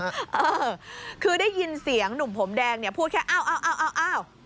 เออคือได้ยินเสียงหนุ่มผมแดงเนี่ยพูดแค่อ้าวเอาอ้าว